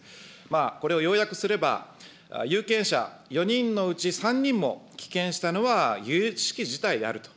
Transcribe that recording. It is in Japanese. これを要約すれば、有権者４人のうち３人も棄権したのはゆゆしき事態であると。